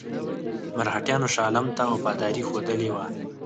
مرهټیانو شاه عالم ته وفاداري ښودلې وه.